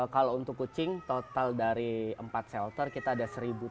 kalau untuk kucing total dari empat shelter kita ada satu tiga ratus